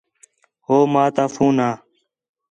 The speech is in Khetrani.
ہو ماں تا فون ہا